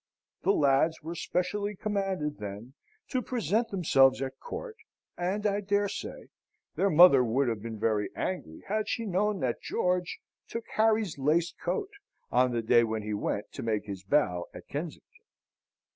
The lads were specially commanded, then, to present themselves at court, and, I dare say, their mother would have been very angry had she known that George took Harry's laced coat on the day when he went to make his bow at Kensington.